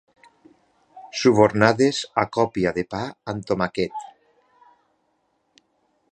Subornades a còpia de pa amb tomàquet.